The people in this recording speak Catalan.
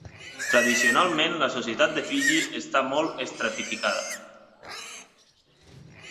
Tradicionalment, la societat de Fiji està molt estratificada.